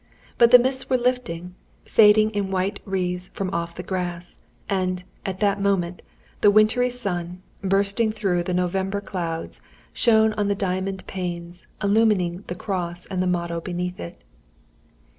But the mists were lifting, fading in white wreaths from off the grass; and, at that moment, the wintry sun, bursting through the November clouds, shone on the diamond panes, illumining the cross and the motto beneath it.